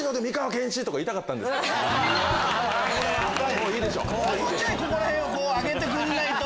もうちょいここら辺を上げてくんないと。